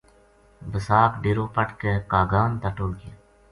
بِساکھ ڈیرو پٹ کے کاگان تا ٹُر گیا